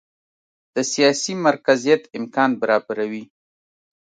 د سیاسي مرکزیت امکان برابروي.